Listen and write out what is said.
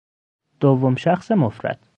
دوم شخص مفرد